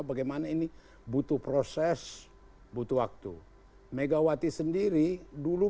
bagaimana ini butuh proses butuh waktu